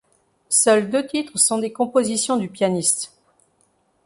Seules deux titres sont des compositions du pianiste.